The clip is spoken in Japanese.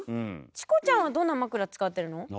チコちゃんはどんな枕使ってるの？